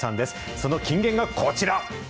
その金言がこちら。